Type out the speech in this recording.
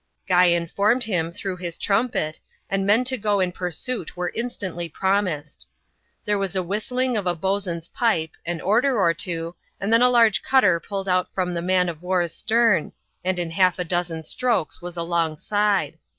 Guy informed him through his trumpet, and men to go in pursuit were instantly promised. Hiere was a whistling of a boatswain's pipe, an order or two, and then a large cutter pulled out from the man of war's stern, and in half a dozen strokes was alongside.